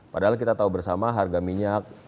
padahal kita tahu bersama harga minyak